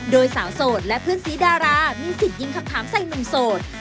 โดยสาวโสดและเพื่อนสีดารามีสิทธิ์ยิงคำถามใส่หนุ่มโสด